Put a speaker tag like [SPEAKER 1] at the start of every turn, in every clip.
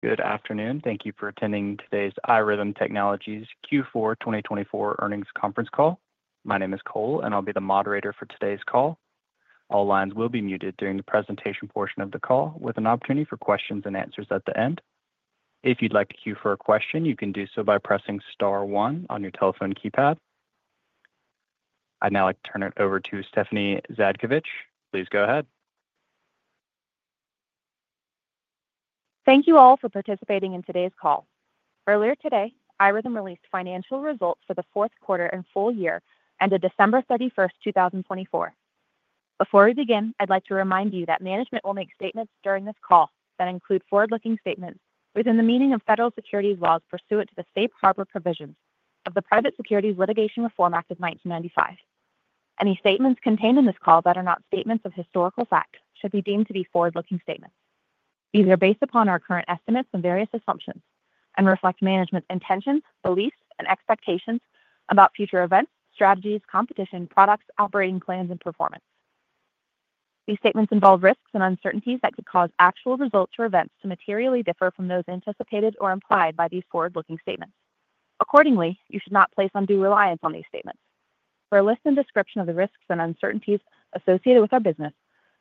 [SPEAKER 1] Good afternoon. Thank you for attending today's iRhythm Technologies Q4 2024 earnings conference call. My name is Cole, and I'll be the moderator for today's call. All lines will be muted during the presentation portion of the call, with an opportunity for questions and answers at the end. If you'd like to queue for a question, you can do so by pressing Star one on your telephone keypad. I'd now like to turn it over to Stephanie Zhadkevich. Please go ahead.
[SPEAKER 2] Thank you all for participating in today's call. Earlier today, iRhythm released financial results for the fourth quarter and full year ended December 31st, 2024. Before we begin, I'd like to remind you that management will make statements during this call that include forward-looking statements within the meaning of federal securities laws pursuant to the Safe Harbor Provisions of the Private Securities Litigation Reform Act of 1995. Any statements contained in this call that are not statements of historical fact should be deemed to be forward-looking statements. These are based upon our current estimates and various assumptions and reflect management's intentions, beliefs, and expectations about future events, strategies, competition, products, operating plans, and performance. These statements involve risks and uncertainties that could cause actual results or events to materially differ from those anticipated or implied by these forward-looking statements. Accordingly, you should not place undue reliance on these statements. For a list and description of the risks and uncertainties associated with our business,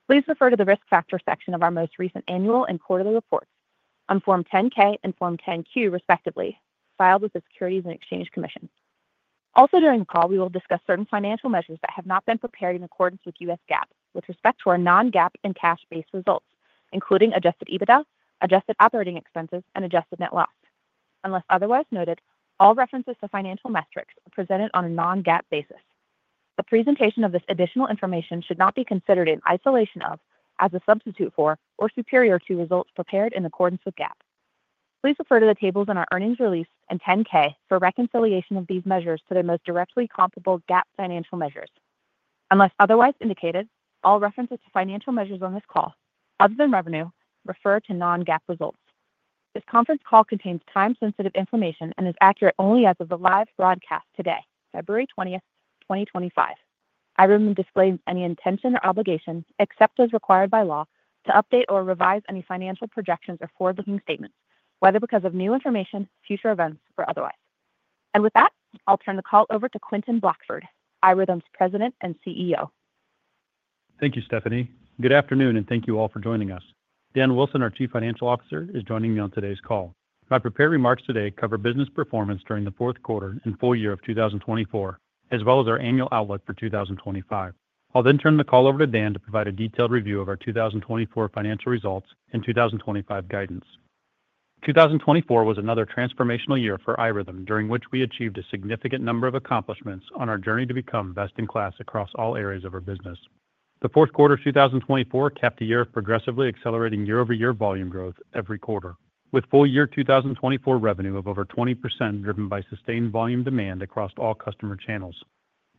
[SPEAKER 2] please refer to the risk factor section of our most recent annual and quarterly reports on Form 10-K and Form 10-Q, respectively, filed with the Securities and Exchange Commission. Also, during the call, we will discuss certain financial measures that have not been prepared in accordance with U.S. GAAP with respect to our non-GAAP and cash-based results, including adjusted EBITDA, adjusted operating expenses, and adjusted net loss. Unless otherwise noted, all references to financial metrics are presented on a non-GAAP basis. The presentation of this additional information should not be considered in isolation of, as a substitute for, or superior to results prepared in accordance with GAAP. Please refer to the tables in our earnings release and 10-K for reconciliation of these measures to their most directly comparable GAAP financial measures. Unless otherwise indicated, all references to financial measures on this call, other than revenue, refer to non-GAAP results. This conference call contains time-sensitive information and is accurate only as of the live broadcast today, February 20th, 2025. The Company disclaims any intention or obligation, except as required by law, to update or revise any financial projections or forward-looking statements, whether because of new information, future events, or otherwise, and with that, I'll turn the call over to Quentin Blackford, iRhythm's President and CEO.
[SPEAKER 3] Thank you, Stephanie. Good afternoon, and thank you all for joining us. Dan Wilson, our Chief Financial Officer, is joining me on today's call. My prepared remarks today cover business performance during the fourth quarter and full year of 2024, as well as our annual outlook for 2025. I'll then turn the call over to Dan to provide a detailed review of our 2024 financial results and 2025 guidance. 2024 was another transformational year for iRhythm, during which we achieved a significant number of accomplishments on our journey to become best in class across all areas of our business. The fourth quarter of 2024 capped a year of progressively accelerating year-over-year volume growth every quarter, with full year 2024 revenue of over 20% driven by sustained volume demand across all customer channels.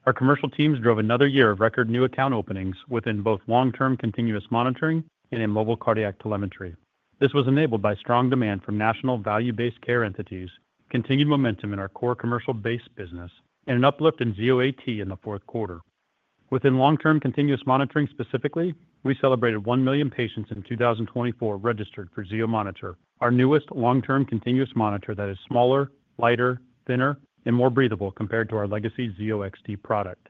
[SPEAKER 3] Our commercial teams drove another year of record new account openings within both long-term continuous monitoring and in mobile cardiac telemetry. This was enabled by strong demand from national value-based care entities, continued momentum in our core commercial-based business, and an uplift in Zio AT in the fourth quarter. Within long-term continuous monitoring specifically, we celebrated 1 million patients in 2024 registered for Zio monitor, our newest long-term continuous monitor that is smaller, lighter, thinner, and more breathable compared to our legacy Zio XT product,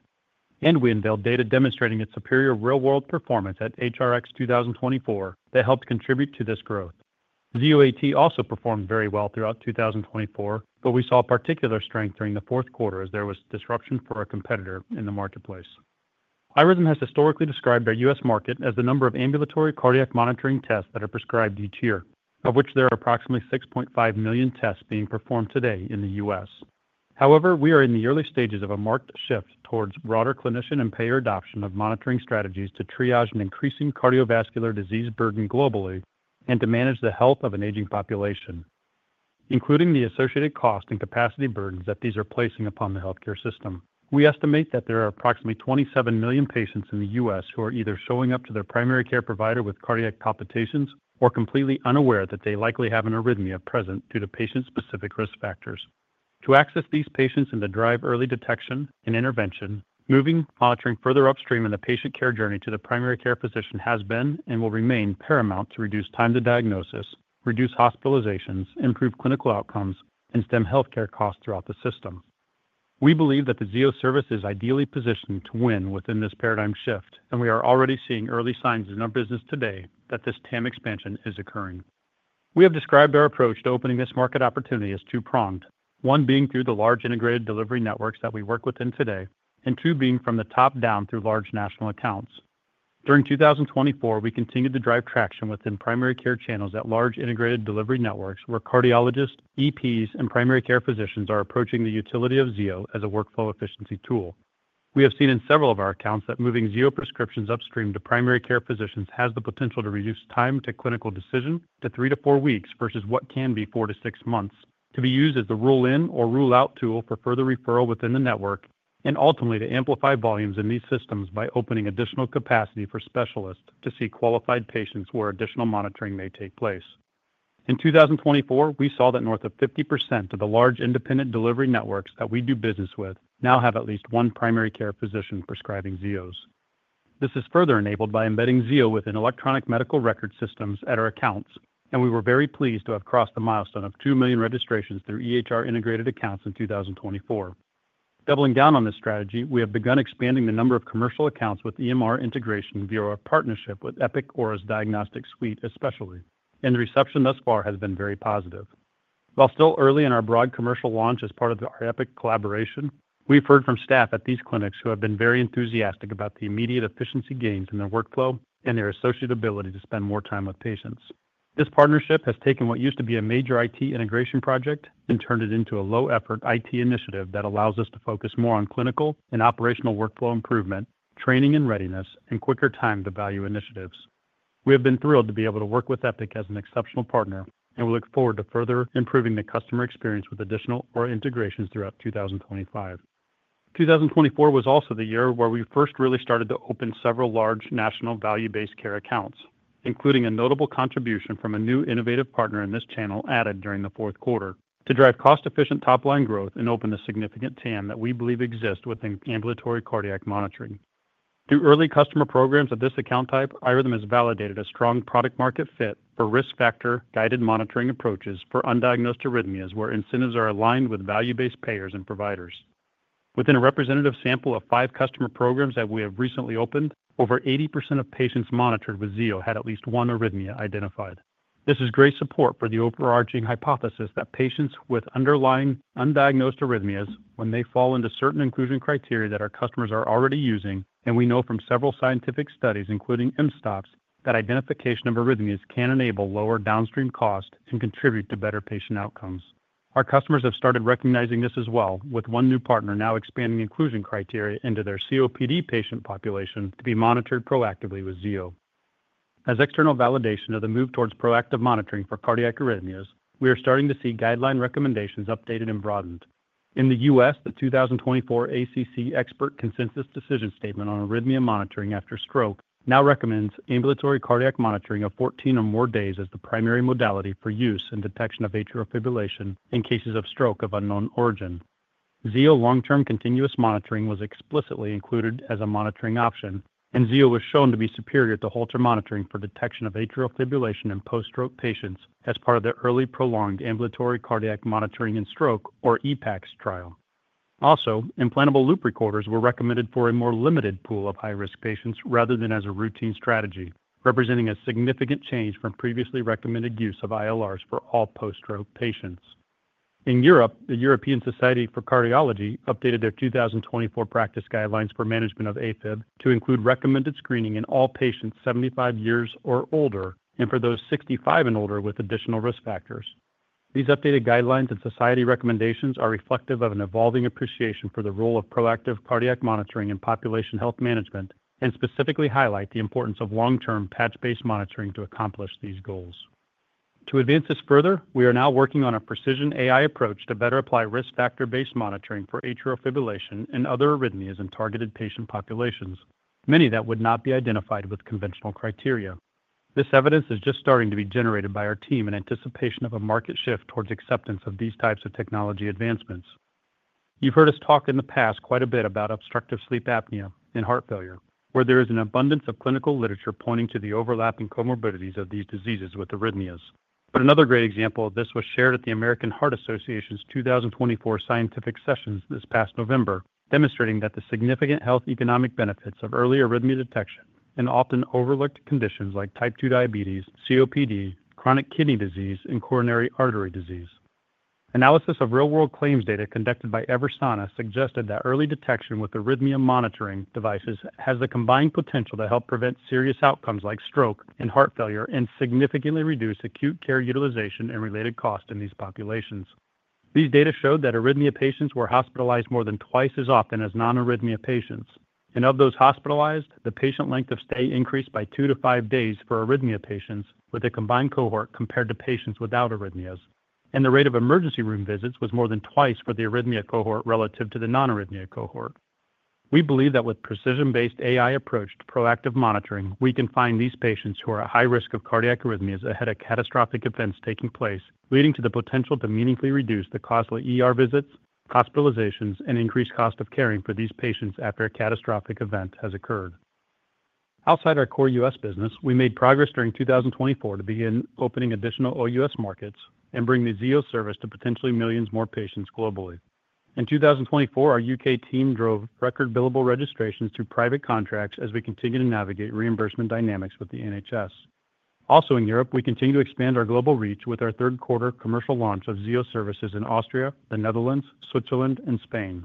[SPEAKER 3] and we unveiled data demonstrating its superior real-world performance at HRX 2024 that helped contribute to this growth. Zio AT also performed very well throughout 2024, but we saw particular strength during the fourth quarter as there was disruption for a competitor in the marketplace. iRhythm has historically described our U.S. market as the number of ambulatory cardiac monitoring tests that are prescribed each year, of which there are approximately 6.5 million tests being performed today in the U.S. However, we are in the early stages of a marked shift towards broader clinician and payer adoption of monitoring strategies to triage an increasing cardiovascular disease burden globally and to manage the health of an aging population, including the associated cost and capacity burdens that these are placing upon the healthcare system. We estimate that there are approximately 27 million patients in the U.S. who are either showing up to their primary care provider with cardiac palpitations or completely unaware that they likely have an arrhythmia present due to patient-specific risk factors. To access these patients and to drive early detection and intervention, moving monitoring further upstream in the patient care journey to the primary care physician has been and will remain paramount to reduce time to diagnosis, reduce hospitalizations, improve clinical outcomes, and stem healthcare costs throughout the system. We believe that the Zio service is ideally positioned to win within this paradigm shift, and we are already seeing early signs in our business today that this TAM expansion is occurring. We have described our approach to opening this market opportunity as two-pronged, one being through the large integrated delivery networks that we work within today, and two being from the top down through large national accounts. During 2024, we continued to drive traction within primary care channels at large integrated delivery networks where cardiologists, EPs, and primary care physicians are approaching the utility of Zio as a workflow efficiency tool. We have seen in several of our accounts that moving Zio prescriptions upstream to primary care physicians has the potential to reduce time to clinical decision to three to four weeks versus what can be four to six months, to be used as the rule-in or rule-out tool for further referral within the network, and ultimately to amplify volumes in these systems by opening additional capacity for specialists to see qualified patients where additional monitoring may take place. In 2024, we saw that north of 50% of the large independent delivery networks that we do business with now have at least one primary care physician prescribing Zio. This is further enabled by embedding Zio within electronic medical record systems at our accounts, and we were very pleased to have crossed the milestone of 2 million registrations through EHR integrated accounts in 2024. Doubling down on this strategy, we have begun expanding the number of commercial accounts with EMR integration via our partnership with Epic Aura's Diagnostic Suite Specialty, and the reception thus far has been very positive. While still early in our broad commercial launch as part of our Epic collaboration, we've heard from staff at these clinics who have been very enthusiastic about the immediate efficiency gains in their workflow and their associated ability to spend more time with patients. This partnership has taken what used to be a major IT integration project and turned it into a low-effort IT initiative that allows us to focus more on clinical and operational workflow improvement, training and readiness, and quicker time to value initiatives. We have been thrilled to be able to work with Epic as an exceptional partner, and we look forward to further improving the customer experience with additional Aura integrations throughout 2025. 2024 was also the year where we first really started to open several large national value-based care accounts, including a notable contribution from a new innovative partner in this channel added during the fourth quarter to drive cost-efficient top-line growth and open a significant TAM that we believe exists within ambulatory cardiac monitoring. Through early customer programs of this account type, iRhythm has validated a strong product-market fit for risk factor-guided monitoring approaches for undiagnosed arrhythmias where incentives are aligned with value-based payers and providers. Within a representative sample of five customer programs that we have recently opened, over 80% of patients monitored with Zio had at least one arrhythmia identified. This is great support for the overarching hypothesis that patients with underlying undiagnosed arrhythmias, when they fall into certain inclusion criteria that our customers are already using, and we know from several scientific studies, including mSToPS, that identification of arrhythmias can enable lower downstream costs and contribute to better patient outcomes. Our customers have started recognizing this as well, with one new partner now expanding inclusion criteria into their COPD patient population to be monitored proactively with Zio. As external validation of the move towards proactive monitoring for cardiac arrhythmias, we are starting to see guideline recommendations updated and broadened. In the U.S., the 2024 ACC Expert Consensus Decision Statement on arrhythmia monitoring after stroke now recommends ambulatory cardiac monitoring of 14 or more days as the primary modality for use and detection of atrial fibrillation in cases of stroke of unknown origin. Zio long-term continuous monitoring was explicitly included as a monitoring option, and Zio was shown to be superior to Holter monitoring for detection of atrial fibrillation in post-stroke patients as part of the Early Prolonged Ambulatory Cardiac Monitoring in Stroke, or EPACS, trial. Also, implantable loop recorders were recommended for a more limited pool of high-risk patients rather than as a routine strategy, representing a significant change from previously recommended use of ILRs for all post-stroke patients. In Europe, the European Society of Cardiology updated their 2024 practice guidelines for management of AFib to include recommended screening in all patients 75 years or older and for those 65 and older with additional risk factors. These updated guidelines and society recommendations are reflective of an evolving appreciation for the role of proactive cardiac monitoring in population health management and specifically highlight the importance of long-term patch-based monitoring to accomplish these goals. To advance this further, we are now working on a precision AI approach to better apply risk factor-based monitoring for atrial fibrillation and other arrhythmias in targeted patient populations, many that would not be identified with conventional criteria. This evidence is just starting to be generated by our team in anticipation of a market shift towards acceptance of these types of technology advancements. You've heard us talk in the past quite a bit about obstructive sleep apnea and heart failure, where there is an abundance of clinical literature pointing to the overlapping comorbidities of these diseases with arrhythmias. But another great example of this was shared at the American Heart Association's 2024 Scientific Sessions this past November, demonstrating that the significant health economic benefits of early arrhythmia detection in often overlooked conditions like type 2 diabetes, COPD, chronic kidney disease, and coronary artery disease. Analysis of real-world claims data conducted by Eversana suggested that early detection with arrhythmia monitoring devices has the combined potential to help prevent serious outcomes like stroke and heart failure and significantly reduce acute care utilization and related costs in these populations. These data showed that arrhythmia patients were hospitalized more than twice as often as non-arrhythmia patients. And of those hospitalized, the patient length of stay increased by two to five days for arrhythmia patients with a combined cohort compared to patients without arrhythmias. And the rate of emergency room visits was more than twice for the arrhythmia cohort relative to the non-arrhythmia cohort. We believe that with precision-based AI approach to proactive monitoring, we can find these patients who are at high risk of cardiac arrhythmias ahead of catastrophic events taking place, leading to the potential to meaningfully reduce the cost of visits, hospitalizations, and increased cost of caring for these patients after a catastrophic event has occurred. Outside our core U.S. business, we made progress during 2024 to begin opening additional OUS markets and bring the Zio service to potentially millions more patients globally. In 2024, our UK team drove record billable registrations through private contracts as we continue to navigate reimbursement dynamics with the NHS. Also in Europe, we continue to expand our global reach with our third quarter commercial launch of Zio services in Austria, the Netherlands, Switzerland, and Spain.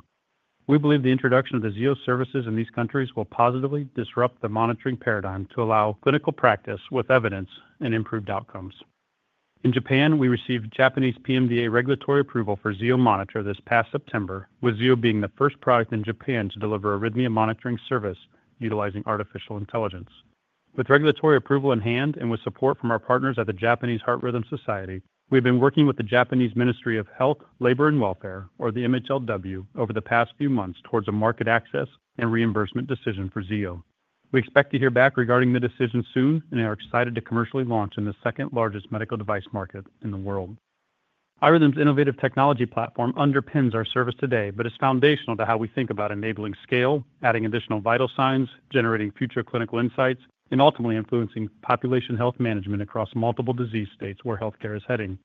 [SPEAKER 3] We believe the introduction of the Zio services in these countries will positively disrupt the monitoring paradigm to allow clinical practice with evidence and improved outcomes. In Japan, we received Japanese PMDA regulatory approval for Zio Monitor this past September, with Zio being the first product in Japan to deliver arrhythmia monitoring service utilizing artificial intelligence. With regulatory approval in hand and with support from our partners at the Japanese Heart Rhythm Society, we've been working with the Japanese Ministry of Health, Labour, and Welfare, or the MHLW, over the past few months towards a market access and reimbursement decision for Zio. We expect to hear back regarding the decision soon and are excited to commercially launch in the second largest medical device market in the world. iRhythm's innovative technology platform underpins our service today, but is foundational to how we think about enabling scale, adding additional vital signs, generating future clinical insights, and ultimately influencing population health management across multiple disease states where healthcare is heading.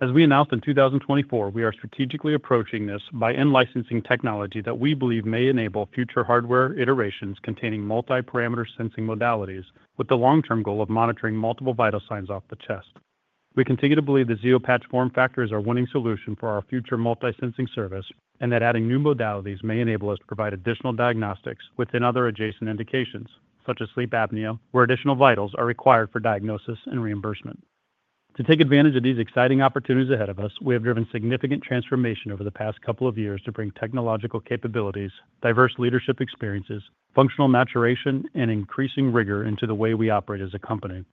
[SPEAKER 3] As we announced in 2024, we are strategically approaching this by in-licensing technology that we believe may enable future hardware iterations containing multi-parameter sensing modalities, with the long-term goal of monitoring multiple vital signs off the chest. We continue to believe the ZIO Patch form factors are a winning solution for our future multi-sensing service and that adding new modalities may enable us to provide additional diagnostics within other adjacent indications, such as sleep apnea, where additional vitals are required for diagnosis and reimbursement. To take advantage of these exciting opportunities ahead of us, we have driven significant transformation over the past couple of years to bring technological capabilities, diverse leadership experiences, functional maturation, and increasing rigor into the way we operate as a company.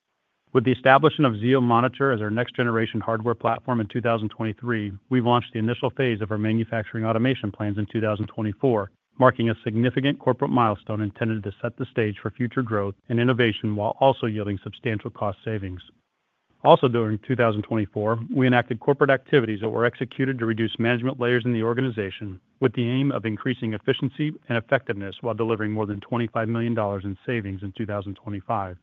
[SPEAKER 3] With the establishment of Zio monitor as our next-generation hardware platform in 2023, we've launched the initial phase of our manufacturing automation plans in 2024, marking a significant corporate milestone intended to set the stage for future growth and innovation while also yielding substantial cost savings. Also during 2024, we enacted corporate activities that were executed to reduce management layers in the organization with the aim of increasing efficiency and effectiveness while delivering more than $25 million in savings in 2025.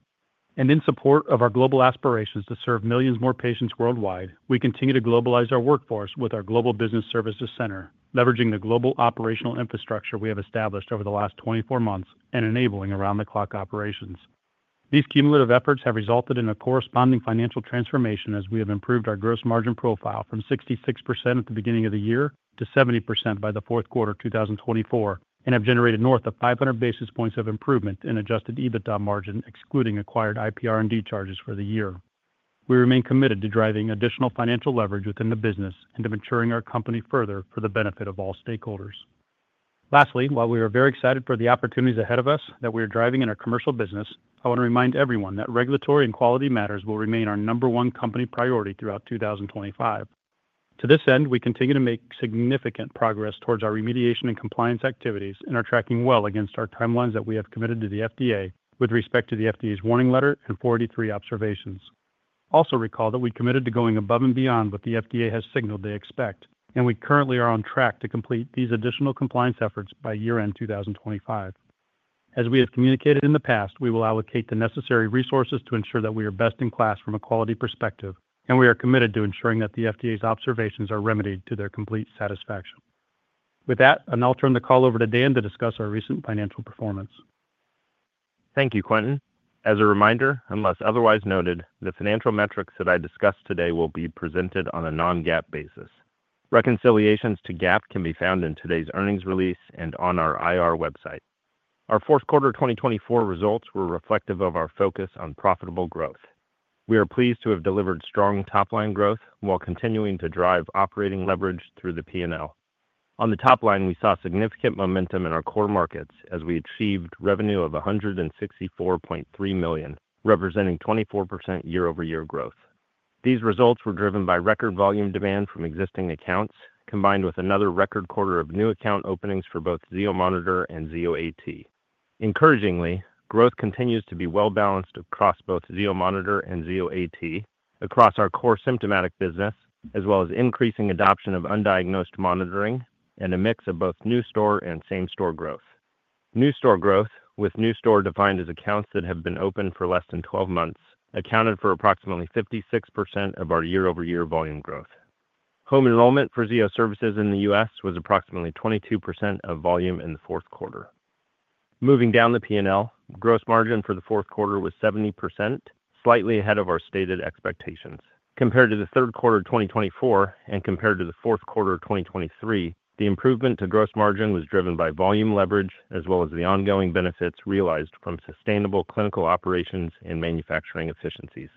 [SPEAKER 3] And in support of our global aspirations to serve millions more patients worldwide, we continue to globalize our workforce with our Global Business Services center, leveraging the global operational infrastructure we have established over the last 24 months and enabling around-the-clock operations. These cumulative efforts have resulted in a corresponding financial transformation as we have improved our gross margin profile from 66% at the beginning of the year to 70% by the fourth quarter of 2024 and have generated north of 500 basis points of improvement in adjusted EBITDA margin excluding acquired IPR&D charges for the year. We remain committed to driving additional financial leverage within the business and to maturing our company further for the benefit of all stakeholders. Lastly, while we are very excited for the opportunities ahead of us that we are driving in our commercial business, I want to remind everyone that regulatory and quality matters will remain our number one company priority throughout 2025. To this end, we continue to make significant progress towards our remediation and compliance activities and are tracking well against our timelines that we have committed to the FDA with respect to the FDA's warning letter and 483 observations. Also recall that we committed to going above and beyond what the FDA has signaled they expect, and we currently are on track to complete these additional compliance efforts by year-end 2025. As we have communicated in the past, we will allocate the necessary resources to ensure that we are best in class from a quality perspective, and we are committed to ensuring that the FDA's observations are remedied to their complete satisfaction. With that, I'll now turn the call over to Dan to discuss our recent financial performance.
[SPEAKER 4] Thank you, Quentin. As a reminder, unless otherwise noted, the financial metrics that I discussed today will be presented on a non-GAAP basis. Reconciliations to GAAP can be found in today's earnings release and on our IR website. Our fourth quarter 2024 results were reflective of our focus on profitable growth. We are pleased to have delivered strong top-line growth while continuing to drive operating leverage through the P&L. On the top line, we saw significant momentum in our core markets as we achieved revenue of $164.3 million, representing 24% year-over-year growth. These results were driven by record volume demand from existing accounts, combined with another record quarter of new account openings for both Zio Monitor and Zio AT. Encouragingly, growth continues to be well-balanced across both Zio Monitor and Zio AT, across our core symptomatic business, as well as increasing adoption of undiagnosed monitoring and a mix of both new store and same-store growth. New store growth, with new store defined as accounts that have been open for less than 12 months, accounted for approximately 56% of our year-over-year volume growth. Home enrollment for Zio services in the U.S. was approximately 22% of volume in the fourth quarter. Moving down the P&L, gross margin for the fourth quarter was 70%, slightly ahead of our stated expectations. Compared to the third quarter 2024 and compared to the fourth quarter 2023, the improvement to gross margin was driven by volume leverage as well as the ongoing benefits realized from sustainable clinical operations and manufacturing efficiencies.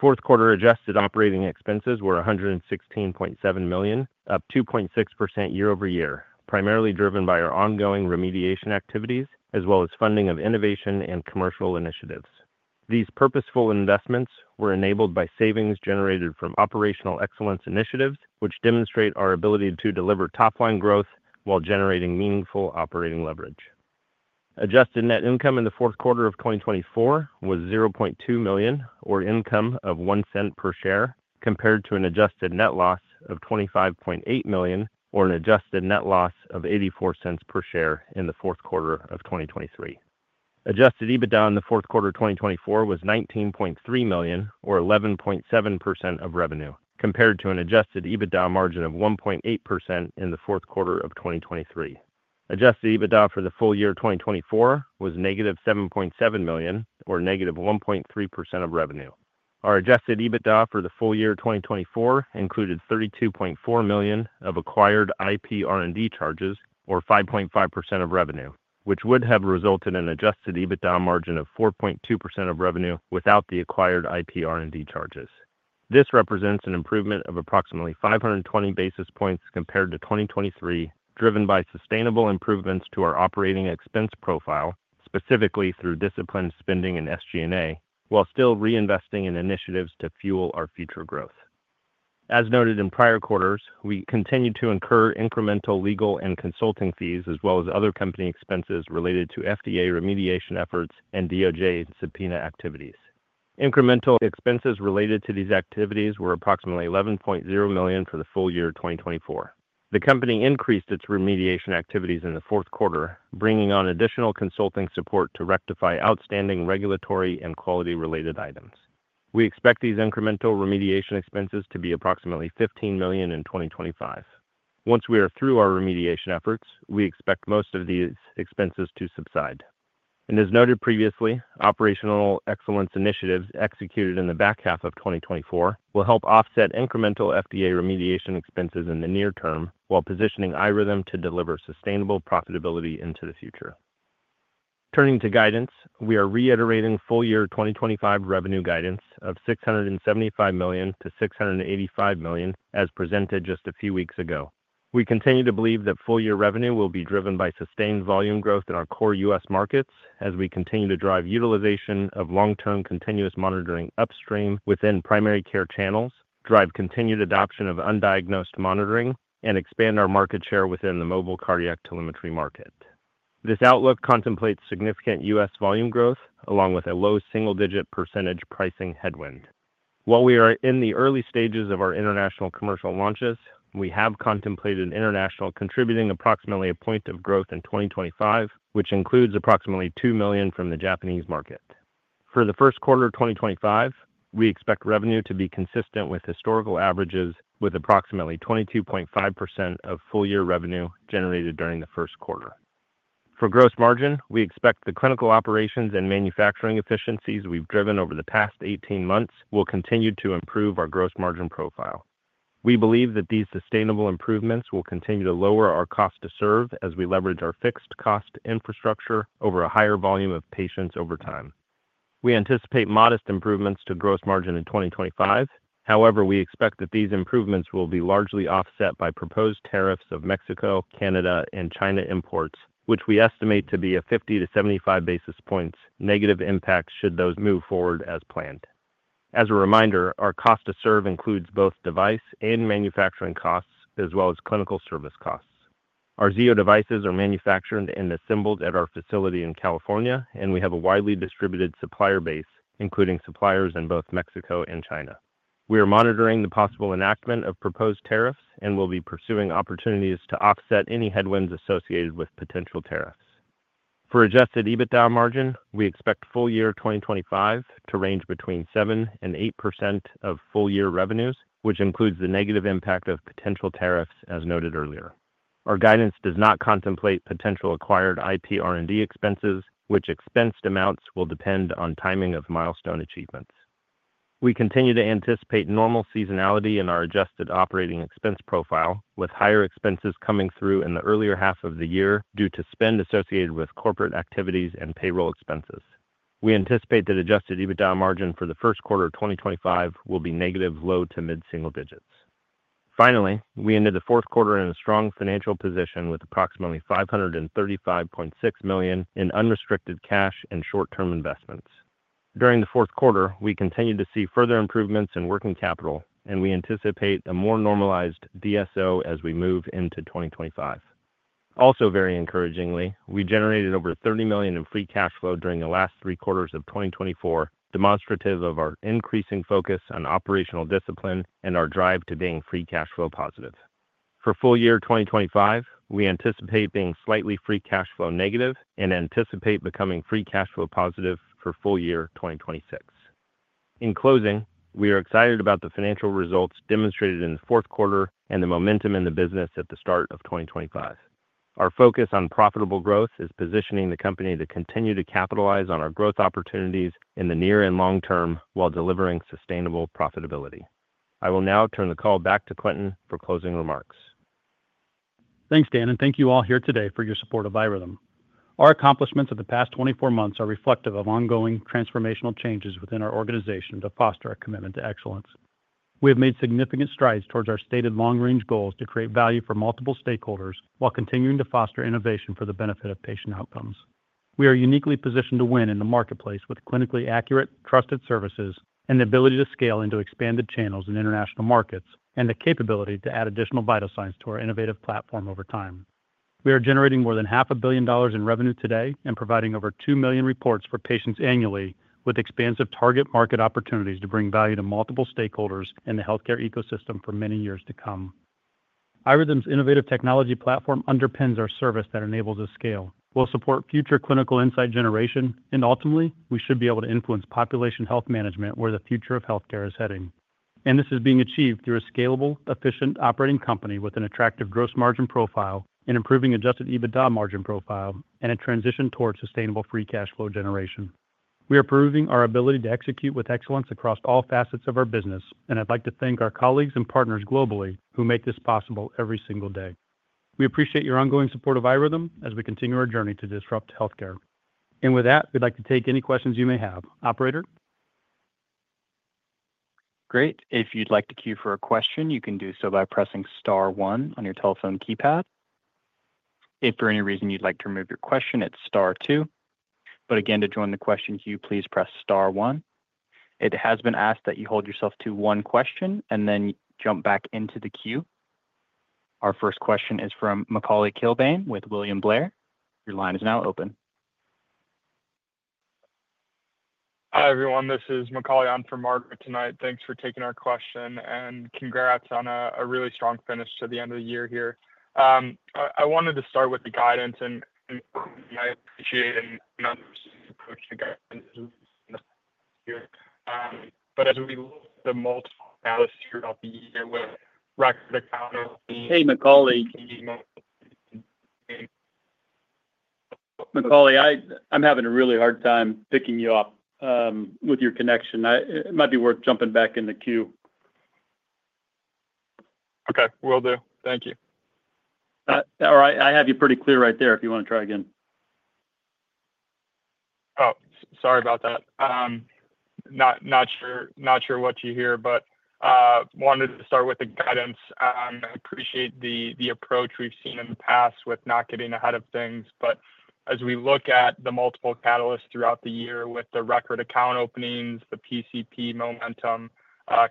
[SPEAKER 4] Fourth quarter adjusted operating expenses were $116.7 million, up 2.6% year-over-year, primarily driven by our ongoing remediation activities as well as funding of innovation and commercial initiatives. These purposeful investments were enabled by savings generated from operational excellence initiatives, which demonstrate our ability to deliver top-line growth while generating meaningful operating leverage. Adjusted net income in the fourth quarter of 2024 was $0.2 million, or income of $0.01 per share, compared to an adjusted net loss of $25.8 million, or an adjusted net loss of $0.84 per share in the fourth quarter of 2023. Adjusted EBITDA in the fourth quarter 2024 was $19.3 million, or 11.7% of revenue, compared to an adjusted EBITDA margin of 1.8% in the fourth quarter of 2023. Adjusted EBITDA for the full year 2024 was -$7.7 million, or negative 1.3% of revenue. Our adjusted EBITDA for the full year 2024 included $32.4 million of acquired IPR&D charges, or 5.5% of revenue, which would have resulted in an adjusted EBITDA margin of 4.2% of revenue without the acquired IPR&D charges. This represents an improvement of approximately 520 basis points compared to 2023, driven by sustainable improvements to our operating expense profile, specifically through disciplined spending and SG&A, while still reinvesting in initiatives to fuel our future growth. As noted in prior quarters, we continued to incur incremental legal and consulting fees as well as other company expenses related to FDA remediation efforts and DOJ subpoena activities. Incremental expenses related to these activities were approximately $11.0 million for the full year 2024. The company increased its remediation activities in the fourth quarter, bringing on additional consulting support to rectify outstanding regulatory and quality-related items. We expect these incremental remediation expenses to be approximately $15 million in 2025. Once we are through our remediation efforts, we expect most of these expenses to subside. And as noted previously, operational excellence initiatives executed in the back half of 2024 will help offset incremental FDA remediation expenses in the near term while positioning iRhythm to deliver sustainable profitability into the future. Turning to guidance, we are reiterating full year 2025 revenue guidance of $675 million-$685 million as presented just a few weeks ago. We continue to believe that full year revenue will be driven by sustained volume growth in our core U.S. markets as we continue to drive utilization of long-term continuous monitoring upstream within primary care channels, drive continued adoption of undiagnosed monitoring, and expand our market share within the mobile cardiac telemetry market. This outlook contemplates significant U.S. volume growth along with a low single-digit percentage pricing headwind. While we are in the early stages of our international commercial launches, we have contemplated international contributing approximately a point of growth in 2025, which includes approximately $2 million from the Japanese market. For the first quarter of 2025, we expect revenue to be consistent with historical averages, with approximately 22.5% of full year revenue generated during the first quarter. For gross margin, we expect the clinical operations and manufacturing efficiencies we've driven over the past 18 months will continue to improve our gross margin profile. We believe that these sustainable improvements will continue to lower our cost to serve as we leverage our fixed cost infrastructure over a higher volume of patients over time. We anticipate modest improvements to gross margin in 2025. However, we expect that these improvements will be largely offset by proposed tariffs of Mexico, Canada, and China imports, which we estimate to be a 50-75 basis points negative impact should those move forward as planned. As a reminder, our cost to serve includes both device and manufacturing costs as well as clinical service costs. Our Zio devices are manufactured and assembled at our facility in California, and we have a widely distributed supplier base, including suppliers in both Mexico and China. We are monitoring the possible enactment of proposed tariffs and will be pursuing opportunities to offset any headwinds associated with potential tariffs. For adjusted EBITDA margin, we expect full year 2025 to range between 7%-8% of full year revenues, which includes the negative impact of potential tariffs as noted earlier. Our guidance does not contemplate potential acquired IPR&D expenses, which expensed amounts will depend on timing of milestone achievements. We continue to anticipate normal seasonality in our adjusted operating expense profile, with higher expenses coming through in the earlier half of the year due to spend associated with corporate activities and payroll expenses. We anticipate that adjusted EBITDA margin for the first quarter 2025 will be negative low- to mid-single digits. Finally, we ended the fourth quarter in a strong financial position with approximately $535.6 million in unrestricted cash and short-term investments. During the fourth quarter, we continue to see further improvements in working capital, and we anticipate a more normalized DSO as we move into 2025. Also very encouragingly, we generated over $30 million in free cash flow during the last three quarters of 2024, demonstrative of our increasing focus on operational discipline and our drive to being free cash flow positive. For full year 2025, we anticipate being slightly free cash flow negative and anticipate becoming free cash flow positive for full year 2026. In closing, we are excited about the financial results demonstrated in the fourth quarter and the momentum in the business at the start of 2025. Our focus on profitable growth is positioning the company to continue to capitalize on our growth opportunities in the near and long term while delivering sustainable profitability. I will now turn the call back to Quentin for closing remarks.
[SPEAKER 3] Thanks, Dan, and thank you all here today for your support of iRhythm. Our accomplishments of the past 24 months are reflective of ongoing transformational changes within our organization to foster our commitment to excellence. We have made significant strides towards our stated long-range goals to create value for multiple stakeholders while continuing to foster innovation for the benefit of patient outcomes. We are uniquely positioned to win in the marketplace with clinically accurate, trusted services and the ability to scale into expanded channels in international markets and the capability to add additional vital signs to our innovative platform over time. We are generating more than $500 million in revenue today and providing over 2 million reports for patients annually, with expansive target market opportunities to bring value to multiple stakeholders in the healthcare ecosystem for many years to come. iRhythm's innovative technology platform underpins our service that enables us to scale. We'll support future clinical insight generation, and ultimately, we should be able to influence population health management where the future of healthcare is heading, and this is being achieved through a scalable, efficient operating company with an attractive gross margin profile and improving adjusted EBITDA margin profile and a transition towards sustainable free cash flow generation. We are proving our ability to execute with excellence across all facets of our business, and I'd like to thank our colleagues and partners globally who make this possible every single day. We appreciate your ongoing support of iRhythm as we continue our journey to disrupt healthcare. And with that, we'd like to take any questions you may have. Operator? Great. If you'd like to queue for a question, you can do so by pressing star 1 on your telephone keypad. If for any reason you'd like to remove your question, it's star 2. But again, to join the question queue, please press star 1. It has been asked that you hold yourself to one question and then jump back into the queue. Our first question is from Macauley Kilbane with William Blair. Your line is now open.
[SPEAKER 5] Hi everyone, this is Macauley filling in for Margaret tonight. Thanks for taking our question and congrats on a really strong finish to the end of the year here. I wanted to start with the guidance and I appreciate and understand the approach to guidance here. But as we look at the multiple catalysts throughout the year with record account openings.
[SPEAKER 3] Hey, Macauley. Macauley, I'm having a really hard time picking you up with your connection. It might be worth jumping back in the queue.
[SPEAKER 5] Okay, will do. Thank you.
[SPEAKER 3] All right. I have you pretty clear right there if you want to try again.
[SPEAKER 5] Oh, sorry about that. Not sure what you hear, but wanted to start with the guidance. I appreciate the approach we've seen in the past with not getting ahead of things. But as we look at the multiple catalysts throughout the year with the record account openings, the PCP momentum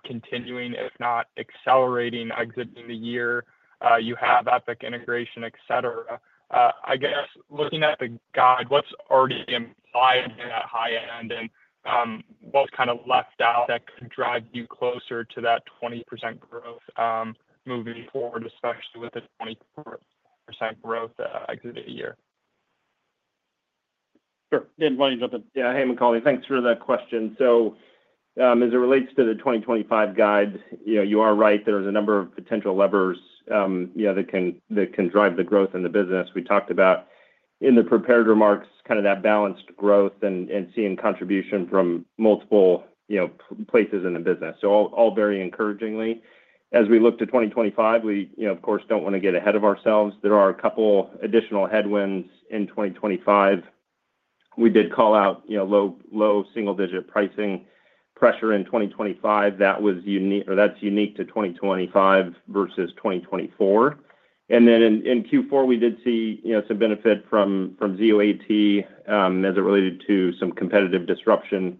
[SPEAKER 5] continuing, if not accelerating, exiting the year, you have Epic integration, etc. I guess looking at the guide, what's already implied in that high end and what's kind of left out that could drive you closer to that 20% growth moving forward, especially with the 24% growth exiting the year?
[SPEAKER 3] Sure. Dan, why don't you jump in?
[SPEAKER 4] Yeah, hey, Macauley. Thanks for that question. So as it relates to the 2025 guide, you are right. There's a number of potential levers that can drive the growth in the business. We talked about in the prepared remarks kind of that balanced growth and seeing contribution from multiple places in the business. So all very encouragingly. As we look to 2025, we, of course, don't want to get ahead of ourselves. There are a couple additional headwinds in 2025. We did call out low single-digit pricing pressure in 2025. That was unique or that's unique to 2025 versus 2024. And then in Q4, we did see some benefit from Zio AT as it related to some competitive disruption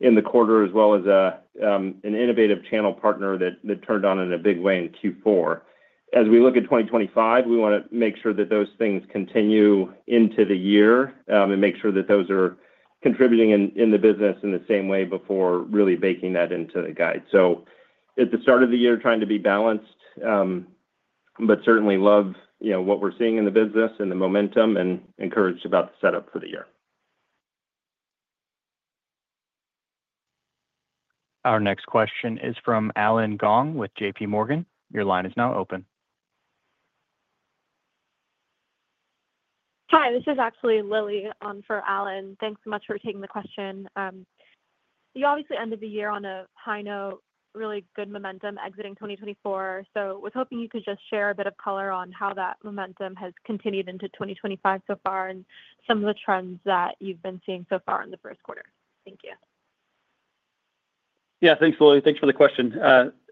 [SPEAKER 4] in the quarter as well as an innovative channel partner that turned on in a big way in Q4. As we look at 2025, we want to make sure that those things continue into the year and make sure that those are contributing in the business in the same way before really baking that into the guide. So at the start of the year, trying to be balanced, but certainly love what we're seeing in the business and the momentum and encouraged about the setup for the year.
[SPEAKER 1] Our next question is from Allen Gong with JPMorgan. Your line is now open.
[SPEAKER 6] Hi, this is actually Lilia on for Alan. Thanks so much for taking the question. You obviously ended the year on a high note, really good momentum exiting 2024. I was hoping you could just share a bit of color on how that momentum has continued into 2025 so far and some of the trends that you've been seeing so far in the first quarter. Thank you.
[SPEAKER 3] Yeah, thanks, Lilia. Thanks for the question.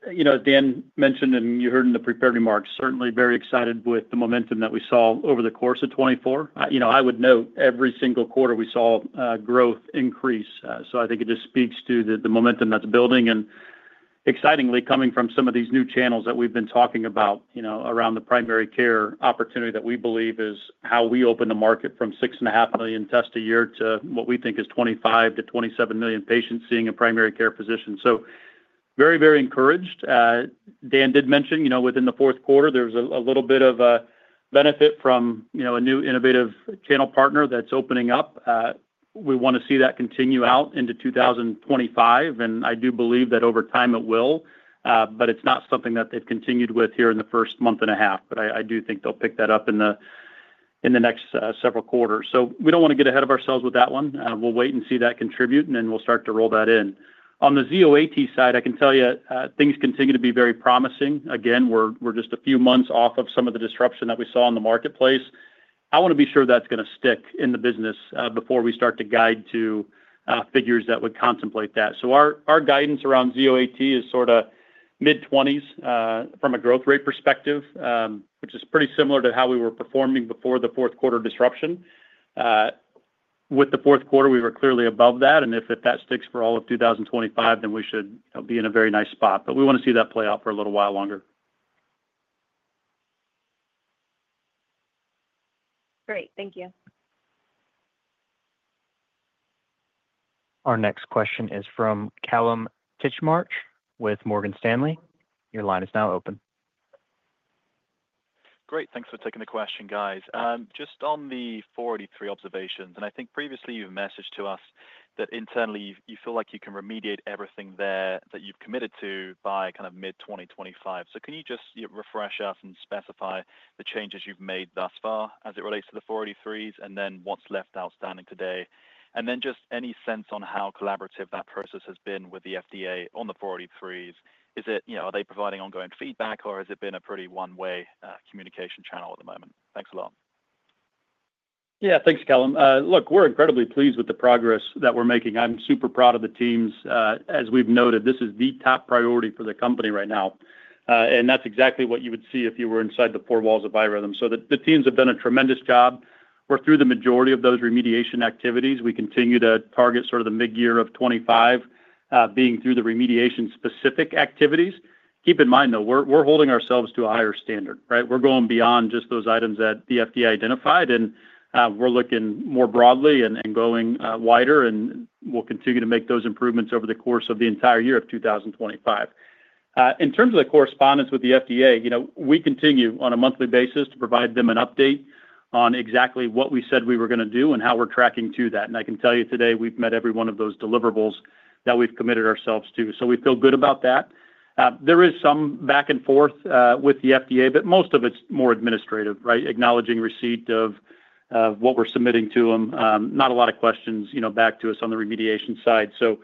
[SPEAKER 3] As Dan mentioned and you heard in the prepared remarks, certainly very excited with the momentum that we saw over the course of 2024. I would note every single quarter we saw growth increase. So I think it just speaks to the momentum that's building and excitingly coming from some of these new channels that we've been talking about around the primary care opportunity that we believe is how we open the market from six and a half million tests a year to what we think is 25-27 million patients seeing a primary care physician. So very, very encouraged. Dan did mention within the fourth quarter, there was a little bit of a benefit from a new innovative channel partner that's opening up. We want to see that continue out into 2025, and I do believe that over time it will, but it's not something that they've continued with here in the first month and a half. But I do think they'll pick that up in the next several quarters. So we don't want to get ahead of ourselves with that one. We'll wait and see that contribute, and then we'll start to roll that in. On the Zio AT side, I can tell you things continue to be very promising. Again, we're just a few months off of some of the disruption that we saw in the marketplace. I want to be sure that's going to stick in the business before we start to guide to figures that would contemplate that. So our guidance around Zio AT is sort of mid-20s from a growth rate perspective, which is pretty similar to how we were performing before the fourth quarter disruption. With the fourth quarter, we were clearly above that, and if that sticks for all of 2025, then we should be in a very nice spot. But we want to see that play out for a little while longer.
[SPEAKER 6] Great. Thank you.
[SPEAKER 1] Our next question is from Kallum Titchmarsh with Morgan Stanley. Your line is now open.
[SPEAKER 7] Great. Thanks for taking the question, guys. Just on the 483 observations, and I think previously you've messaged to us that internally you feel like you can remediate everything there that you've committed to by kind of mid-2025. Can you just refresh us and specify the changes you've made thus far as it relates to the 483s and then what's left outstanding today? And then just any sense on how collaborative that process has been with the FDA on the 483s? Are they providing ongoing feedback, or has it been a pretty one-way communication channel at the moment? Thanks a lot.
[SPEAKER 3] Yeah, thanks, Kallum. Look, we're incredibly pleased with the progress that we're making. I'm super proud of the teams. As we've noted, this is the top priority for the company right now. And that's exactly what you would see if you were inside the four walls of iRhythm. So the teams have done a tremendous job. We're through the majority of those remediation activities. We continue to target sort of the mid-year of 2025 being through the remediation-specific activities. Keep in mind, though, we're holding ourselves to a higher standard, right? We're going beyond just those items that the FDA identified, and we're looking more broadly and going wider, and we'll continue to make those improvements over the course of the entire year of 2025. In terms of the correspondence with the FDA, we continue on a monthly basis to provide them an update on exactly what we said we were going to do and how we're tracking to that. And I can tell you today we've met every one of those deliverables that we've committed ourselves to. So we feel good about that. There is some back and forth with the FDA, but most of it's more administrative, right? Acknowledging receipt of what we're submitting to them. Not a lot of questions back to us on the remediation side. So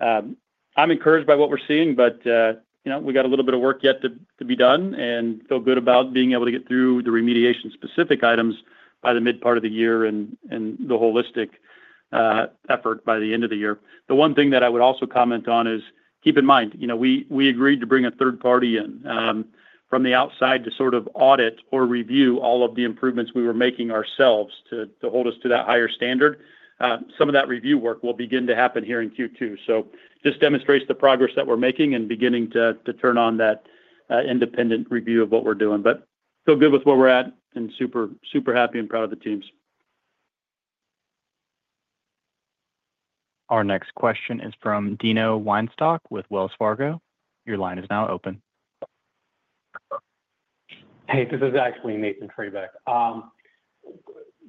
[SPEAKER 3] I'm encouraged by what we're seeing, but we got a little bit of work yet to be done and feel good about being able to get through the remediation-specific items by the mid-part of the year and the holistic effort by the end of the year. The one thing that I would also comment on is keep in mind we agreed to bring a third party in from the outside to sort of audit or review all of the improvements we were making ourselves to hold us to that higher standard. Some of that review work will begin to happen here in Q2, so just demonstrates the progress that we're making and beginning to turn on that independent review of what we're doing, but feel good with where we're at and super happy and proud of the teams.
[SPEAKER 1] Our next question is from Nathan Treybeck with Wells Fargo. Your line is now open.
[SPEAKER 8] Hey, this is actually Nathan Treybeck.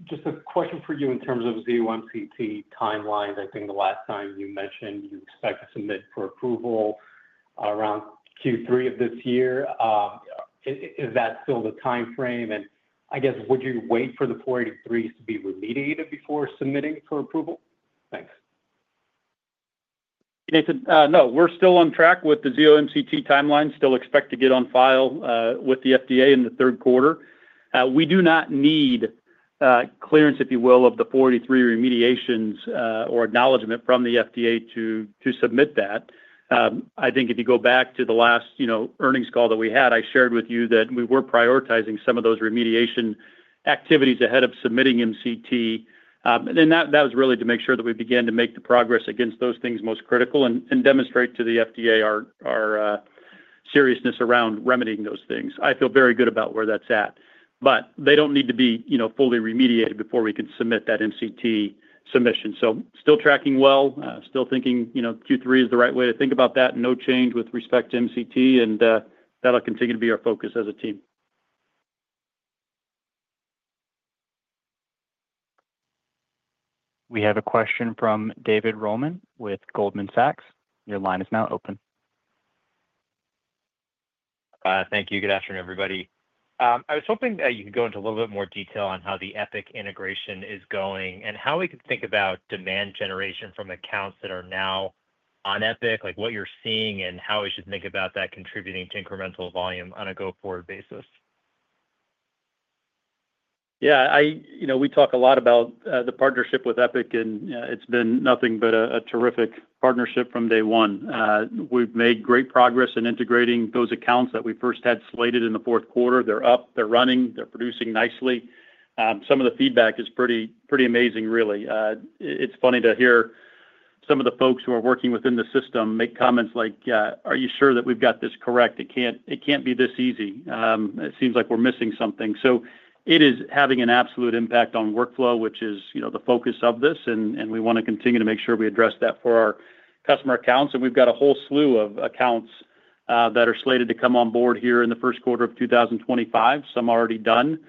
[SPEAKER 8] Just a question for you in terms of Zio AT timelines. I think the last time you mentioned you expect to submit for approval around Q3 of this year. Is that still the timeframe? And I guess, would you wait for the 483s to be remediated before submitting for approval? Thanks.
[SPEAKER 3] No, we're still on track with the Zio AT timelines. Still expect to get on file with the FDA in the third quarter. We do not need clearance, if you will, of the 483 remediation or acknowledgment from the FDA to submit that. I think if you go back to the last earnings call that we had, I shared with you that we were prioritizing some of those remediation activities ahead of submitting MCT. And that was really to make sure that we began to make the progress against those things most critical and demonstrate to the FDA our seriousness around remedying those things. I feel very good about where that's at. But they don't need to be fully remediated before we can submit that MCT submission. So still tracking well. Still thinking Q3 is the right way to think about that. No change with respect to MCT, and that'll continue to be our focus as a team.
[SPEAKER 1] We have a question from David Roman with Goldman Sachs. Your line is now open.
[SPEAKER 9] Thank you. Good afternoon, everybody. I was hoping that you could go into a little bit more detail on how the Epic integration is going and how we could think about demand generation from accounts that are now on Epic, like what you're seeing and how we should think about that contributing to incremental volume on a go-forward basis.
[SPEAKER 3] Yeah, we talk a lot about the partnership with Epic, and it's been nothing but a terrific partnership from day one. We've made great progress in integrating those accounts that we first had slated in the fourth quarter. They're up. They're running. They're producing nicely. Some of the feedback is pretty amazing, really. It's funny to hear some of the folks who are working within the system make comments like, "Are you sure that we've got this correct? It can't be this easy. It seems like we're missing something." So it is having an absolute impact on workflow, which is the focus of this, and we want to continue to make sure we address that for our customer accounts. And we've got a whole slew of accounts that are slated to come on board here in the first quarter of 2025. Some already done.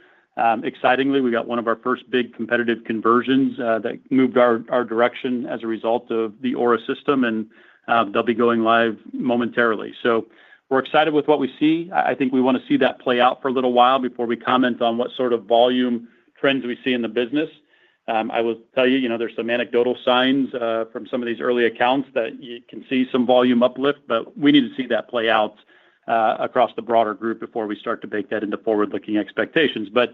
[SPEAKER 3] Excitingly, we got one of our first big competitive conversions that moved our direction as a result of the Aura system, and they'll be going live momentarily. So we're excited with what we see. I think we want to see that play out for a little while before we comment on what sort of volume trends we see in the business. I will tell you, there's some anecdotal signs from some of these early accounts that you can see some volume uplift, but we need to see that play out across the broader group before we start to bake that into forward-looking expectations. But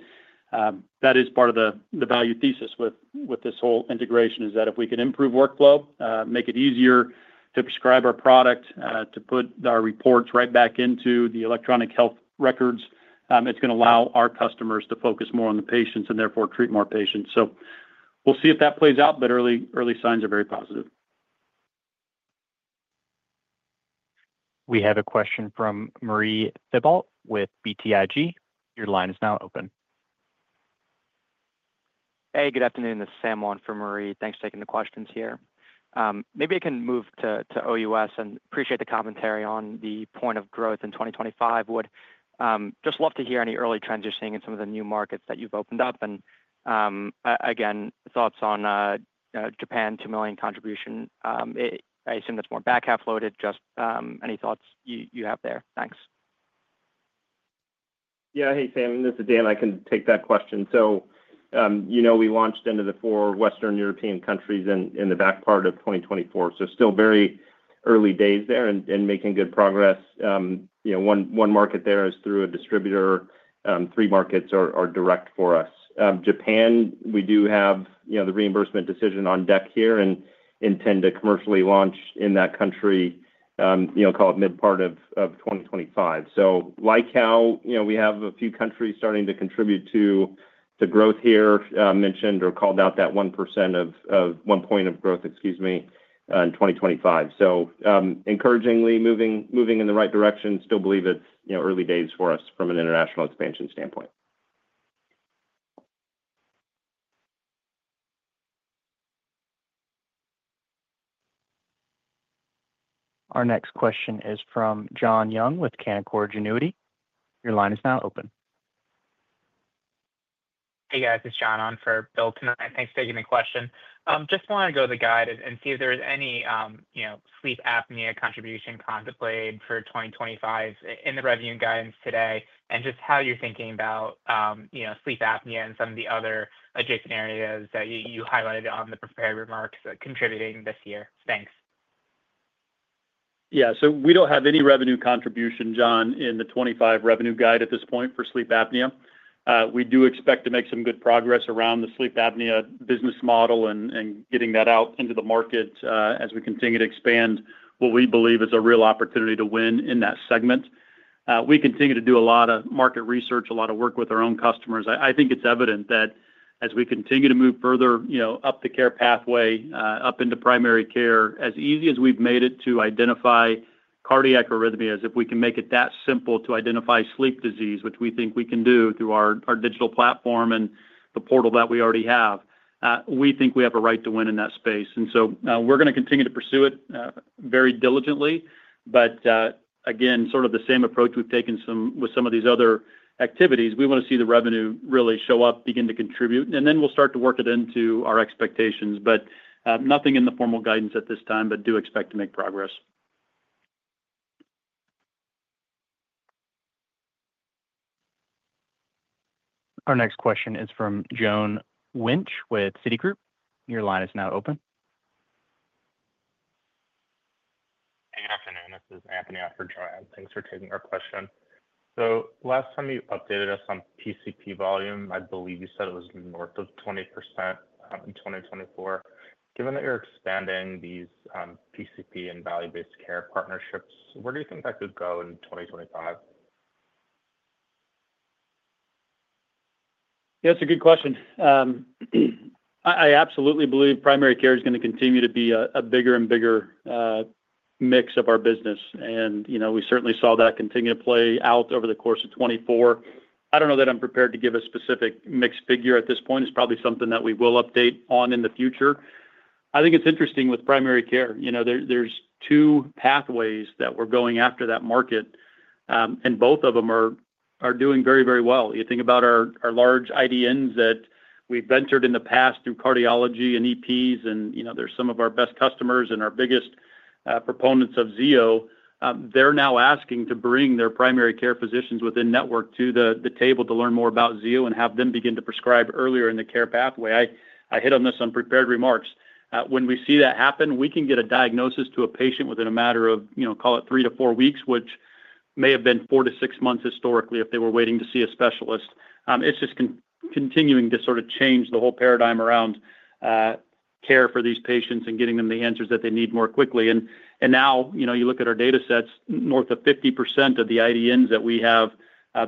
[SPEAKER 3] that is part of the value thesis with this whole integration is that if we can improve workflow, make it easier to prescribe our product, to put our reports right back into the electronic health records, it's going to allow our customers to focus more on the patients and therefore treat more patients. So we'll see if that plays out, but early signs are very positive.
[SPEAKER 1] We have a question from Marie Thibault with BTIG. Your line is now open.
[SPEAKER 10] Hey, good afternoon. This is Sam on for Marie. Thanks for taking the questions here. Maybe I can move to OUS and appreciate the commentary on the point of growth in 2025. Would just love to hear any early trends you're seeing in some of the new markets that you've opened up. And again, thoughts on Japan $2 million contribution. I assume that's more back half loaded. Just any thoughts you have there. Thanks.
[SPEAKER 4] Yeah, hey, Sam, this is Dan. I can take that question. So we launched into the four Western European countries in the back part of 2024. So still very early days there and making good progress. One market there is through a distributor. Three markets are direct for us. Japan, we do have the reimbursement decision on deck here and intend to commercially launch in that country, call it mid-part of 2025. So like how we have a few countries starting to contribute to growth here, mentioned or called out that 1% or one point of growth, excuse me, in 2025. So encouragingly moving in the right direction. Still believe it's early days for us from an international expansion standpoint.
[SPEAKER 1] Our next question is from Jon Young with Canaccord Genuity. Your line is now open.
[SPEAKER 11] Hey, guys. This is Jon on for Bill. Thanks for taking the question. Just wanted to go to the guide and see if there's any sleep apnea contribution contemplated for 2025 in the revenue guidance today and just how you're thinking about sleep apnea and some of the other adjacent areas that you highlighted on the prepared remarks contributing this year. Thanks.
[SPEAKER 3] Yeah, so we don't have any revenue contribution, Jon, in the 2025 revenue guide at this point for sleep apnea. We do expect to make some good progress around the sleep apnea business model and getting that out into the market as we continue to expand what we believe is a real opportunity to win in that segment. We continue to do a lot of market research, a lot of work with our own customers. I think it's evident that as we continue to move further up the care pathway, up into primary care, as easy as we've made it to identify cardiac arrhythmias, if we can make it that simple to identify sleep disease, which we think we can do through our digital platform and the portal that we already have, we think we have a right to win in that space. And so we're going to continue to pursue it very diligently. But again, sort of the same approach we've taken with some of these other activities. We want to see the revenue really show up, begin to contribute, and then we'll start to work it into our expectations. But nothing in the formal guidance at this time, but do expect to make progress.
[SPEAKER 1] Our next question is from Joanne Wuensch with Citigroup. Your line is now open.
[SPEAKER 12] Hey, good afternoon. This is Anthony on for Joanne. Thanks for taking our question. So last time you updated us on PCP volume, I believe you said it was north of 20% in 2024. Given that you're expanding these PCP and value-based care partnerships, where do you think that could go in 2025?
[SPEAKER 3] Yeah, that's a good question. I absolutely believe primary care is going to continue to be a bigger and bigger mix of our business. And we certainly saw that continue to play out over the course of 2024. I don't know that I'm prepared to give a specific mix figure at this point. It's probably something that we will update on in the future. I think it's interesting with primary care. There's two pathways that we're going after that market, and both of them are doing very, very well. You think about our large IDNs that we've ventured in the past through cardiology and EPs, and they're some of our best customers and our biggest proponents of Zio. They're now asking to bring their primary care physicians within network to the table to learn more about Zio and have them begin to prescribe earlier in the care pathway. I hit on this on prepared remarks. When we see that happen, we can get a diagnosis to a patient within a matter of, call it, three to four weeks, which may have been four to six months historically if they were waiting to see a specialist. It's just continuing to sort of change the whole paradigm around care for these patients and getting them the answers that they need more quickly. And now you look at our data sets, north of 50% of the IDNs that we have